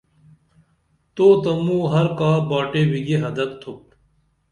تُو تہ موں ہر کا باٹے وِگی حدت تُھپ